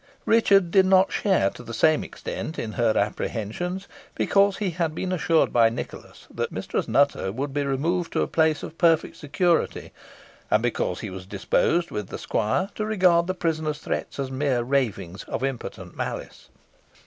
Richard did not share, to the same extent, in her apprehensions, because he had been assured by Nicholas that Mistress Nutter would be removed to a place of perfect security, and because he was disposed, with the squire, to regard the prisoner's threats as mere ravings of impotent malice.